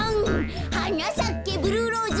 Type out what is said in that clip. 「はなさけブルーローズ」